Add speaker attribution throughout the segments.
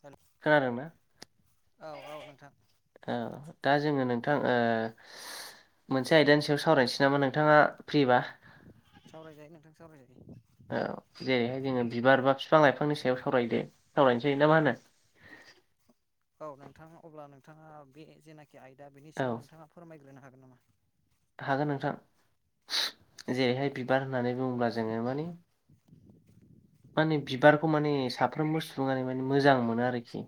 Speaker 1: औ
Speaker 2: खोनादोंना?
Speaker 1: औ नोंथां
Speaker 2: औ दा जोङो नों थां ओ मोनसे आयदानि सायाव सावरायनोसै नामा! नोंथाङा फ्रिबा
Speaker 1: सावरायजायो नोंथां सावरायजायो।
Speaker 2: औ जेरैहाय जोङो बिबार बा फिफां लाइफांनि सायाव सावरायदो सावरायनोसै ना मा होनो?
Speaker 1: [inaudible] औ नोंथाङा अब्ला नोंथाङा बे जेनाखि आयदा बेनि सायाव
Speaker 2: औ
Speaker 1: नोंथाङा फोरमायग्रोनो हागोन नामा?
Speaker 2: हागोन नोंथां। जेरैहाय बिबार होननानै बुङोब्ला जोङो माने माने बिबारखौ माने साफ्रोमबो सुुबुङानो माने मोजां मोनो आरोखि।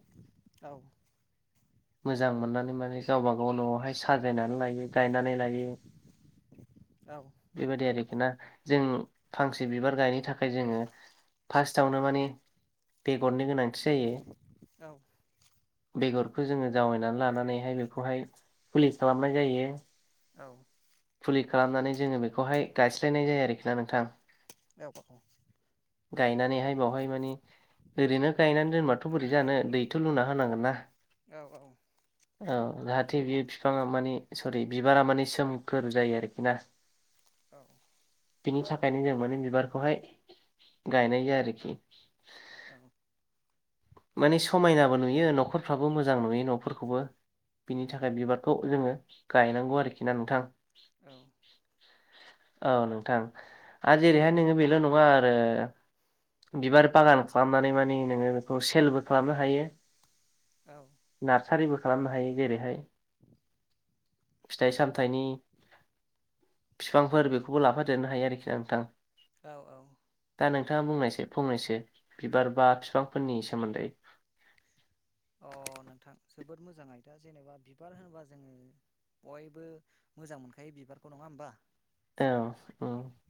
Speaker 1: औ
Speaker 2: मोजां मोननानै माने गावबा गाव न'आवहाय साजायनानै लायो गायनानै लायो।
Speaker 1: औ
Speaker 2: बेबायदि आरो ना जों फांसे बिबार गायनो थाखाय जोंङो फार्स्टआवनो माने बेगरनि गोनांथि जायो।
Speaker 1: औ
Speaker 2: बेगरखौ जोङो जावैनानै लानानैहाय बेखौहाय फुलि खालामनाय जायो।
Speaker 1: औ
Speaker 2: फुलि खालामनानै जोङो बेखौहाय गायस्लायनाय जायो आरोखि ना नोंथां।
Speaker 1: [unintelligible]
Speaker 2: गायनानैहाय बावहाय माने ओरैनो गायनानै दोनबाथ' बोरै जानो दैथ' लुना होनांगोन ना।
Speaker 1: औ औ
Speaker 2: औ जाहाथे बेयो फिफाङा माने सरि बिबारा माने सोमखोर जायो आरोखि ना।
Speaker 1: औ
Speaker 2: बिनि थाखायनो जों माने बिबारखौहाय गायनाय जायो आरोखि।
Speaker 1: औ
Speaker 2: माने समायनाबो नुयो न'खरफ्राबो मोजां नुयो न'फोरखौबो। बिनि थाखाय बिबारखौ जोङो गायनांगौ आरोखि ना नोंथां।
Speaker 1: औ
Speaker 2: औ नोंथां आरो जेरैहाय नोङो बेल' नङा आरो बिबार बागान खालामनानै माने नोङो बेखौ सेलबो खालामनो हायो। नार्सारिबो खालामनो हायो। जेरैहाय फिथाइ सामथाइनि फिफांफोर बेखौबो लाफादेरनो हायो आरोखिना नोंथां।
Speaker 1: औ औ
Speaker 2: दा नोंथाङा बुंनायसै फंनैसो बिबार बा फिफांफोरनि सोमोन्दै
Speaker 1: अ नोंथां जोबोद मोजां आयदा जेनेबा बिबार होनोबा जोङो बयबो मोजां मोनखायो बिबारखौ नङा होमबा?
Speaker 2: औ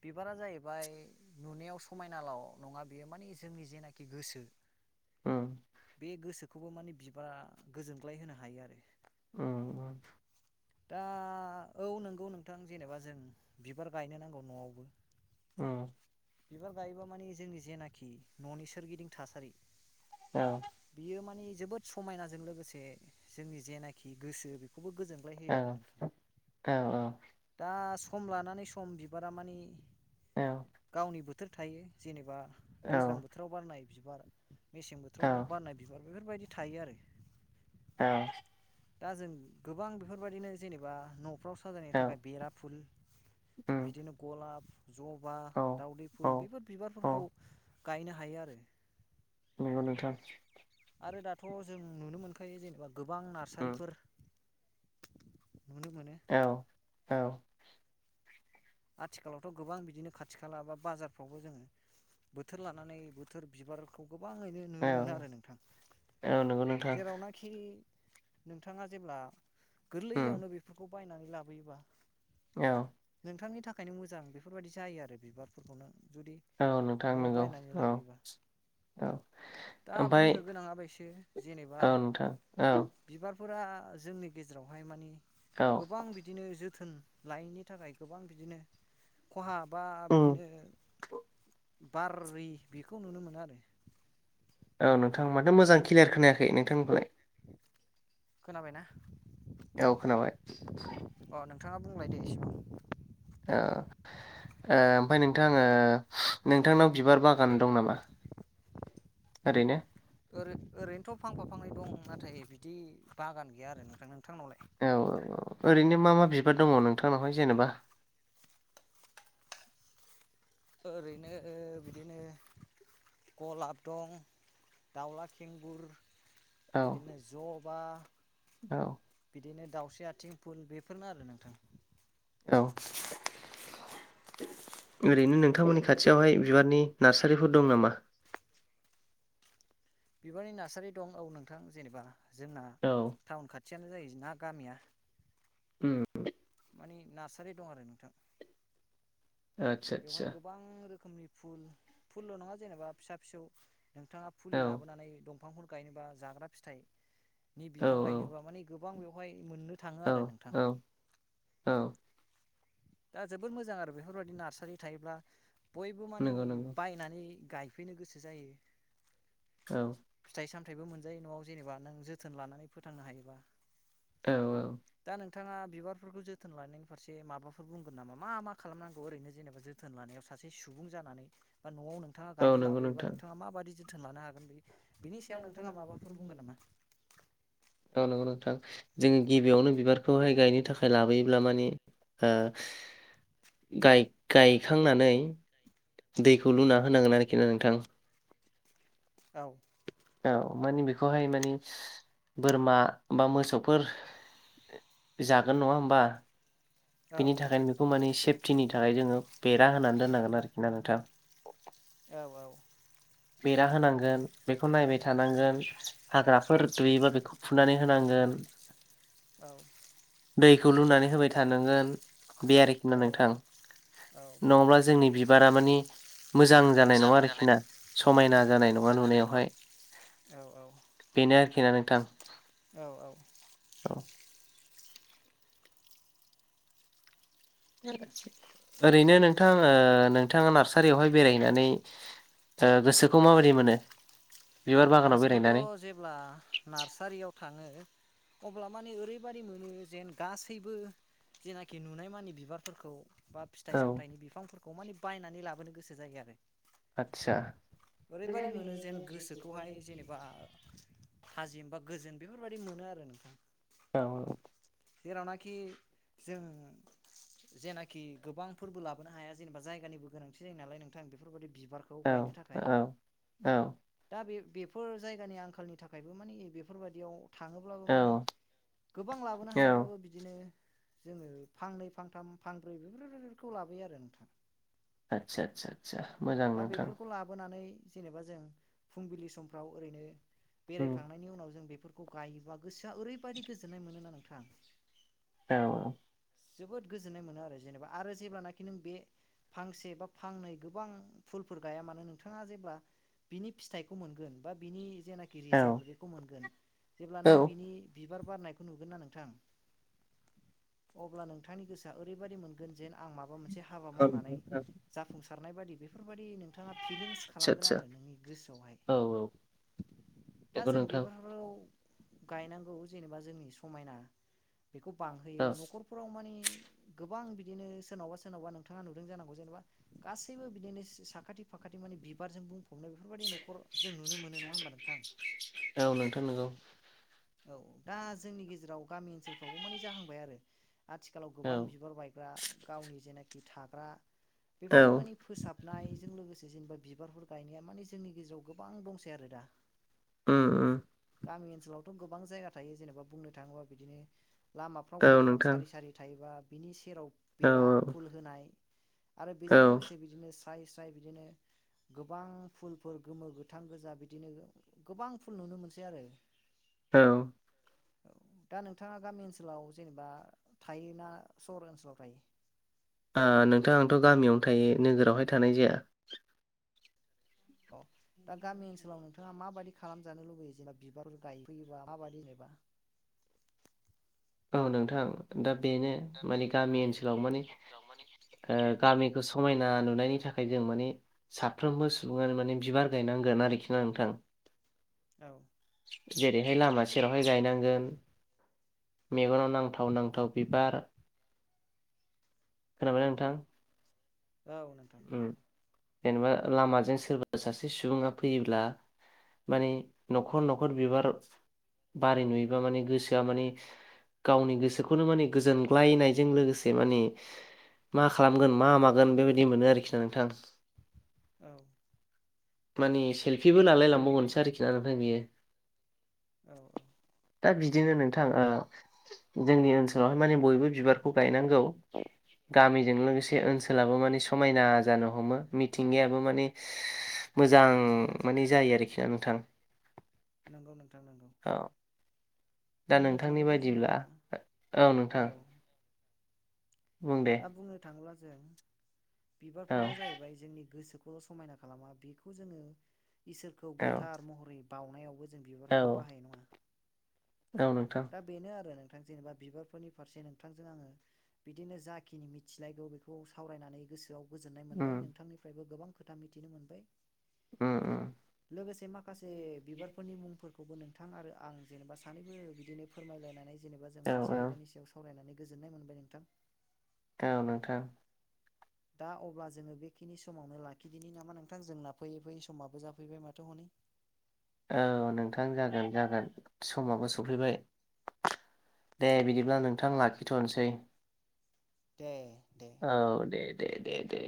Speaker 1: बिबारा नुनायाव समायनाल' नङा बियो मानि जोंनि जेनाखि गोसो
Speaker 2: उम
Speaker 1: बे गोसोखौबो माने बिबारा गोजोनग्लाय होनो हायो आरो।
Speaker 2: औ
Speaker 1: दा औ नंगौ नोंथां जेनेबा जों बिबार गायनो नांगौ न'आवबो
Speaker 2: ओम
Speaker 1: बिबार गायोबा मानि जोंनि जेनाखि न'नि सोरगिदिं थासारि
Speaker 2: औ
Speaker 1: बेयो माने जोबोद समायनाजों लोगोसे जोंनि जेनाखि गोसो बेखौबो गोजोन ग्लाय
Speaker 2: औ
Speaker 1: होयो नोंथां
Speaker 2: औ
Speaker 1: दा सम लानानै सम बिबारा मानि
Speaker 2: औ
Speaker 1: गावनि बोथोर थायो जेनेबा दैज्लां
Speaker 2: औ
Speaker 1: बोथोराव बारनाय बिबार मेसें
Speaker 2: औ
Speaker 1: बोथोराव बारनाय बिबार बेफोरबायदि थायो आरो।
Speaker 2: औ
Speaker 1: दा जों गोबां बेफोरबायदिनो जेनेबा न' फ्राव साजायनो
Speaker 2: औ
Speaker 1: थाखाय बेराफुल
Speaker 2: उम
Speaker 1: बिदिनो गलाब जबा
Speaker 2: औ
Speaker 1: दावदै फुल
Speaker 2: औ
Speaker 1: बेफोर
Speaker 2: औ
Speaker 1: बिबारफोरखौ गायनो हायो आरो।
Speaker 2: नंगौ नोंथां।
Speaker 1: आरो दाथ' जों नुनो मोनखायो जेनेबा गोबां
Speaker 2: उम
Speaker 1: नार्सारिफोर नुनो मोनो
Speaker 2: औ औ।
Speaker 1: आथिखालावथ' गोबां बिदिनो खाथि खाला बा बाजारफ्रावबो जोङो बोथोर लानानै बोथोर बिबारखौ गोबाङैनो
Speaker 2: औ
Speaker 1: नुनो मोनो आरो नोंथां
Speaker 2: औ नंगौ नोंथां
Speaker 1: जेरावनाखि नोंथाङा जेब्ला
Speaker 2: उम
Speaker 1: गोरलैयावनो बेफोरखौ बायनानै लाबोयोबा
Speaker 2: औ।
Speaker 1: नोंथांनि थाखायनो मोजां बेफोरबायदि जायो आरो बिबारफोरखौनो
Speaker 2: औ नोंथां नोंगौ औ। औ
Speaker 1: दा
Speaker 2: ओमफ्राय
Speaker 1: बुंनो गोनाङा बेसो जेनेबा
Speaker 2: औ नोंथां औ
Speaker 1: बिबार फोर जोंनि गेजेरावहाय मानि
Speaker 2: औ
Speaker 1: गोबां बिदिनो जोथोन लायैनि थाखाय गोबां बिदिनो खहा बा
Speaker 2: उम
Speaker 1: बिदिनो बारि बेखौ नुनो मोनो आरो
Speaker 2: औ नोंथां माथो मोजां क्लियार खोनायाखै नोंथांनिखौलाय
Speaker 1: खोनाबायना?
Speaker 2: औ खोनाबाय।
Speaker 1: अ नोंथाङा बुंलायदो इसे।
Speaker 2: ओ। ओ ओमफ्राय नोंथां आो नोंथांनाव बिबार बागान दं नामा? ओरैनो
Speaker 1: ओरै ओरैनोथ' फांफा फांनै दं नाथाय बिदि बागान गैया आरो नोंथां। नोंथांनावलाय
Speaker 2: औ औ औ ओरैनो मा मा बिबार दङ नोंथांनावहाय जेनेबा
Speaker 1: ओरैनो बिदिनो गलाब दं दावला खेंगुर
Speaker 2: औ
Speaker 1: बिदिनो ज'बा
Speaker 2: औ
Speaker 1: बिदिनो दाउस्रि आथिं फुल बेफोरनो आरो नोंथां
Speaker 2: औ। ओरैनो नोंथांमोननि खाथियावहाय बिबारनि नार्सारिफोर दं नामा?
Speaker 1: बिबारनि नार्सारि दं औ नोंथां जेनेबा जोंना
Speaker 2: औ
Speaker 1: टाउन खाथ खाथियानो जायो ना गामिया
Speaker 2: ओम।
Speaker 1: माने नार्सारि दं आरो नोंथां।
Speaker 2: आदसा
Speaker 1: बेवहाय
Speaker 2: आदसा
Speaker 1: गोबां रोखोमनि फुल फुलल' नङा जेनेबा फिसा फिसौ नोंथाङा फुलि
Speaker 2: औ
Speaker 1: लाबोनानै दंफांफोर गायनोबा जाग्रा फिथाइनि
Speaker 2: औ
Speaker 1: बिफां गायनोबा मान गोब बां बेवहाय मोननो थाङो आरो
Speaker 2: औ
Speaker 1: नोंथां
Speaker 2: औ औ।
Speaker 1: दा जोबोद मोजां आरो बेफोर बायदि नार्सारि थायोब्ला बयबो मानि
Speaker 2: नंगौ नंगौ
Speaker 1: बायनानै गायफैनो गोसो जायो।
Speaker 2: औ।
Speaker 1: फिथाइ सामथथायबो मोनजायो न'आव जेनेबा नों जोथोन लानानै फोथांनो हायोबा
Speaker 2: औ औ।
Speaker 1: दा नोंथाङा बिबारफोरखौ जोथोन लानायनि फारसे माबाफोर बुंगोन नामा मा मा खालामनांगौ ओरैनो जेनेबा जोथोन लानायाव सासे सुबुं जानानै बा न'आवनो नोंथाङा
Speaker 2: औ
Speaker 1: गायनो
Speaker 2: नंगौ
Speaker 1: लाबोयोबा
Speaker 2: नोंथां
Speaker 1: नोंथाङा माबायदि जोथोन लानो हागोन बे बिनि सायाव नोंथाङा माबाफोर बुंगोन नामा?
Speaker 2: [unintelligible] औ नंगौ न थां जोङो गिबियावनो बिबारखौहाय गायनो थाखाय लाबोयोब्ला माने ओ गाय गायखांनानै दैखौ लुना होनांगोन आरोखि ना नोंथां
Speaker 1: औ
Speaker 2: औ मानि बेखौहाय मानि बोरमा बा मोसौफोर जागोन नङा होमबा
Speaker 1: औ
Speaker 2: बेनि थाखायनो बेखौ माने सेफटिनि थाखाय जोङो बेरा होनानै दोननांगोन आरोखि ना नोंथां।
Speaker 1: औ औ
Speaker 2: बेरा होनांगोन बेखौ नायबाय थानांगोन हाग्राफोर दुयोबा बेखौ फुनानै होनांगोन।
Speaker 1: औ
Speaker 2: दैखौ लुनानै होबाय थानांगोन बे आरोखि ना नोंथां नङाब्ला जोंनि बि बिबारा मानि मोजां जानाय नङा आरोखि ना समायना जानाय नङा नुनायावहाय
Speaker 1: औ औ
Speaker 2: बेनो आरोखि ना नोंथां
Speaker 1: औ औ
Speaker 2: औ ओरैनो नोंथां ओ नोंथाङा नार्सारियावहाय बेरायहैनानै ओ गोसोखौ माबोरै मोनो बिबार बागानाव
Speaker 1: गोसोखौथ
Speaker 2: बेरायनानै
Speaker 1: जेब्ला नार्सारियाव थाङो अब्ला माने ओरैबायाददि मोनो जेन गासैबो जेनाखि नुनाय मानि बिबारफोरखौ बा फिथाइ
Speaker 2: औ
Speaker 1: सामथाइनि बिफांफोरखौ मानि बायनानै लाबोनो गोसो जायो आरो
Speaker 2: आदसा
Speaker 1: ओरैबायाददि मोनो जेन गोसो खौहाय जेनेबा थाजिम बा गोजोन बेफोरबायाददि मोनो आरो नोंथां
Speaker 2: औ औ
Speaker 1: जेलानाखि जों जेनाखि गोबांफोरबो लाबोनो हाया जेनेबा जायगानिबो गोनांथि जायो नालाय नोंथां बेफोरबायाददि
Speaker 2: औ औ औ
Speaker 1: दा बे बेफोर जायगानि आंखालनि थाखायबो मानि बेफोरबायाददियाव थाङोब्लाबो
Speaker 2: औ
Speaker 1: मानि गोबां लाबोनो
Speaker 2: औ
Speaker 1: हायाबाबो बिदिनो जोङो फांनै फांथाम फांब्रै बेफोरफोरखौ लाबोयो आरो नोंथाङा
Speaker 2: आदसा आदसा आदसा मोजां नोंथां
Speaker 1: बेफोरखौ लाबोनानै जेनेबा जों फुंबिलि समफ्राव ओरैनो
Speaker 2: उम
Speaker 1: बेरायखांनायनि उनाव जों बे फोरखौ गायोबा गोसोआ ओरैबायाददि गोजोन्नाय मोनोना नोंथां
Speaker 2: औ औ
Speaker 1: जोबोद गोजोननाय मोनो आरो जेनेबा आरो जेब्लानाखि नों बे फांसे बा फांनै गोबां फुलफोर गाया मानो नोंथाङा जेब्ला बिनि फिथाइखौ मोनगोन बा बिनि जेखि
Speaker 2: औ
Speaker 1: रिजाल बेखौ मोनगोन जेब्ला नों
Speaker 2: औ
Speaker 1: बिनि बिबार बारनायखौ नुगोन ना नोंथां। अब्ला नोंथांनि गोसोआ ओरैबायाददि मोनगोन जेन आं माबा मोनसे से हाबा मावनानै
Speaker 2: आदसा
Speaker 1: जाफुंसारनाय बादि बेफोरबायाददि नोंथाङा फिलिंस खालामगोन
Speaker 2: आदसा
Speaker 1: आरो नोंनि गोसोआवहाय
Speaker 2: औ औ
Speaker 1: दा
Speaker 2: नंगौ
Speaker 1: जों
Speaker 2: नोंथां
Speaker 1: बिबारावफोखौ गायनांगौ जेनेबा जोंनि समायना बेखौ बांहोयो
Speaker 2: औ
Speaker 1: नखरफोराव माने गो गोबां बिदिनो सोरनावबा सोरनावबा नोंथाङा नुदों जानांगौ जेनेबा गासैबो बिदिनो साखाथि फाखाथि माने बिबारजों बुं नोंथां
Speaker 2: औ नोंथां नंगौ
Speaker 1: औ दा जोंनि गेजेराव गामि ओनसोलफ्रावबो माने जाहांबाय आरो आथिखालाव
Speaker 2: औ
Speaker 1: गोबां बिबार बायग्रा गावनि जेनाखि थाग्रा
Speaker 2: औ
Speaker 1: बेफोरखौ मानि फोसाबनायजों लोगोसे जेनेबा बिबारफोर गायनाया माने जोंनि गेजेराव गोबां दंसै आरो दा
Speaker 2: ओ ओ
Speaker 1: गामि ओनसोलावथ' गोबां जायगा थायो जेनेबा बुंनो थाङोबा बिदिनो लामाफ्राव
Speaker 2: औ
Speaker 1: गय बिफां
Speaker 2: नोंथां
Speaker 1: सारि सारि थायोबा बिनि सेराव
Speaker 2: औ
Speaker 1: बेरा फुल होनाय। आरो
Speaker 2: औ
Speaker 1: बेजों लोगोसे बिदिनो स्राय स्राय बिदिनो गोबां फुलफोर गोमो गोथां गोजा बिदिनो गोबां फुल नुनो मोनसै आरो।
Speaker 2: औ।
Speaker 1: औ दा नोंथाङा गामि ओनसोलाव जेनेबा थायो ना सहर ओनसोलाव थायो?
Speaker 2: ओ नोंथां आंथ' गामियावनो थायो नोगोरावहाय थानाय जाया।
Speaker 1: अ दा गामि ओनसोलाव नोंथाङा माबायदि खालामजानो लुुबैयो जेनेबा बिबारफोर गायफैयोबा माबादि जेनेबा?
Speaker 2: औ नोंथां दा बेनो मानि गामि ओनसोलाव माने ओ गामिखौ समायना नुनायनि थाखाय जों माने साफ्रोमबो सुबुङानो माने बिबार गायनांगोन आरोखि ना? नोंथां।
Speaker 1: औ।
Speaker 2: जेरैहाय लामा सेरावहाय गायनांगोन। मेगनाव नांथाव नांथाव बिबार। खोनाबाय नोंथां?
Speaker 1: औ नोंथां।
Speaker 2: उम जेनेबा लामाजों सोरबा सासे सुबुङा फैयोब्ला माने न'खर न'खर बिबार बार नुयोबा माने गोसोआ माने गावनि गोसोखौनो माने गोजोनग्लायनायजों लोगोसे माने मा खालामगोन मा मागोन बेबायदि मोनो आरोखि ना नोंथां।
Speaker 1: औ।
Speaker 2: मानि सेल्फिबो लालाय लांबावगोनसै आरोखि ना नोंथां बेयो।
Speaker 1: औ औ।
Speaker 2: बिदिनो नोंथां ओ जोंनि ओनसोलावहाय माने बयबो बिबारखौ गायनांगौ। गामिजों लोगोसे ओनसोलाबो माने समायना जानो हमो मिथिंगायाबो माने मोजां माने जायो आरोखि ना नोंथां।
Speaker 1: नोंगौ नोंथां नों।
Speaker 2: औ। दा नोंथांनि
Speaker 1: थाङोबा
Speaker 2: बायदिब्ला
Speaker 1: जेनेबा
Speaker 2: औ नोंथां। बुं दे
Speaker 1: दा बुंनो थाङोब्ला जों
Speaker 2: औ
Speaker 1: बिबारफोरा जाहैबाय जोंनि गोसोख समायना खालामा बेखौ जोङो इसोरखौ
Speaker 2: औ
Speaker 1: गोथार महरै बावनायावबो जों
Speaker 2: औ
Speaker 1: बिबारखौ बाहाय नङा औ दा बेनो आरो नोंथां। दा जेनेबा बिबारफोरनिरसे नोंथां जों बिदिनो जा खिनि मिथिलायगौ बेखौ सावरायनानै गोसोआव गोजोननाय
Speaker 2: उम
Speaker 1: मोनबाय नोंथांनिफ्रायबो गोबां खोथा मिथिनो मोनबाय।
Speaker 2: ओम ओम।
Speaker 1: लोगोसे माखासे बिबारफोरनि मुंफोरखौबो नों नोंथां आरो आं जेनेबा सानैबो बिदिनो फोरमायलायनानै जेनेबा जों
Speaker 2: औ
Speaker 1: मोनसे आयदानि सायाव सावरायनानै गोजोननाय मोनबाय नोंथां।
Speaker 2: औ नोंथां।
Speaker 1: दा अब्ला जोङो बेखिनि समावनो लाखिदिनि नामा नोंथां जोंना फैयै फैयै समाबो जाफैबाय माथो हनै।
Speaker 2: औ नोंथां जागोन जागोन समाबो सफैबाय। दे बिदिब्ला नोंथां लाखिथ'नोसै।
Speaker 1: दे। दे।
Speaker 2: औ दे दे दे दे।